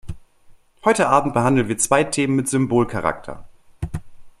Heute abend behandeln wir zwei Themen mit Symbolcharakter.